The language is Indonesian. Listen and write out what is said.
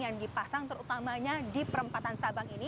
yang dipasang terutamanya di perempatan sabang ini